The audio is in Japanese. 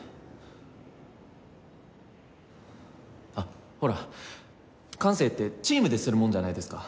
あっほら管制ってチームでするものじゃないですか。